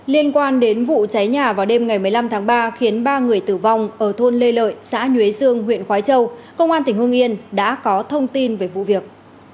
liên quan đến vụ cháy nhà vào đêm ngày một mươi năm tháng ba khiến ba người tử vong ở thôn lê lợi xã nhuế dương huyện khói châu công an tỉnh hương yên đã có thông tin về vụ việc